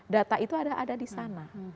data itu ada di sana